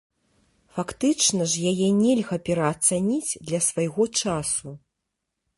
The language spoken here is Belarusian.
Фактычна ж яе нельга пераацаніць для свайго часу.